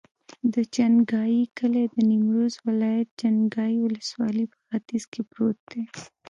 د چنګای کلی د نیمروز ولایت، چنګای ولسوالي په ختیځ کې پروت دی.